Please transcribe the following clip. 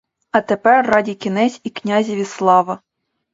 А тепер раді кінець і князеві слава!